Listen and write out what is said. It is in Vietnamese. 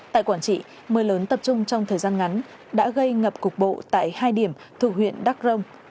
tại quảng trị mưa lớn tập trung trong thời gian ngắn đã gây ngập cục bộ tại hai điểm thuộc huyện đắc rông